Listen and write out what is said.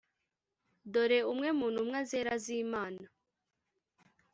dore umwe mu ntumwa zera z'imana